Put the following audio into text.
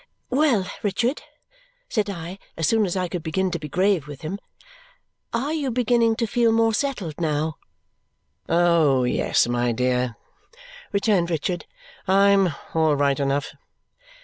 "Well, Richard," said I as soon as I could begin to be grave with him, "are you beginning to feel more settled now?" "Oh, yes, my dear!" returned Richard. "I'm all right enough."